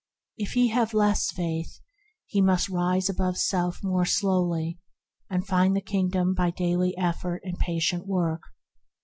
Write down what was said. If he have less faith, he must rise above self more slowly, and find the Kingdom by daily effort and patient work.